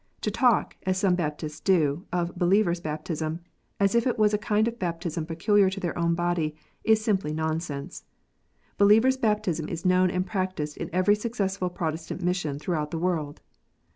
To talk, as some Baptists do, of " believer s baptism," as if it was a kind of baptism peculiar to their own body, is simply nonsense ! Believer s baptism is known and practised in every successful Protestant mission throughout the world.